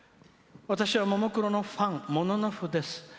「私は、ももクロのファンモノノフです。